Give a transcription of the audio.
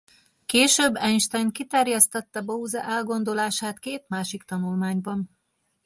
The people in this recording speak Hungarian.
Később Einstein kiterjesztette Bose elgondolását két másik tanulmányban.